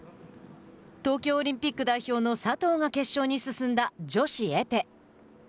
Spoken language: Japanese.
東京オリンピック代表の佐藤が決勝に進んだ女子エペ。